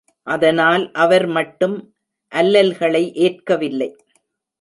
அதனால், அவர் மட்டும் அல்லல்களை ஏற்கவில்லை!